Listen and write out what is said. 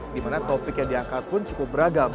di mana topik yang diangkat pun cukup beragam